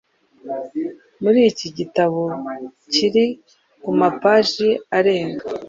Muri iki gitabo kiri ku mapaji arenga